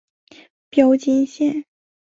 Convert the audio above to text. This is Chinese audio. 标津线。